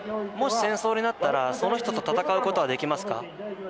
もし戦争になったらその人と戦うことはできますか？